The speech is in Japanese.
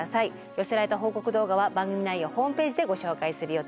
寄せられた報告動画は番組内容ホームページでご紹介する予定です。